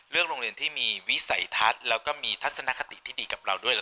โรงเรียนที่มีวิสัยทัศน์แล้วก็มีทัศนคติที่ดีกับเราด้วย